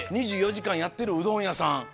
２４時間やってるうどん屋さん。